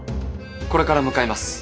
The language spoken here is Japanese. これから向かいます。